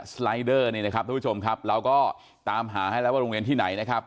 สไลเดอร์นี่นะครับทุกผู้ชมครับเราก็ตามหาให้แล้วว่าโรงเรียนที่ไหนนะครับ